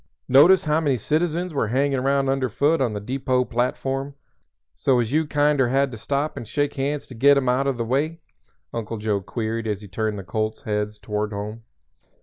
"Notice how many citizens were hanging around underfoot on the depot platform so as you kinder had to stop and shake hands to get 'em out o' the way?" Uncle Joe queried as he turned the colts' heads toward home.